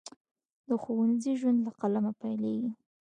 د ښوونځي ژوند له قلمه پیلیږي.